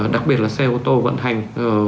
đặc biệt là xe ô tô vận hành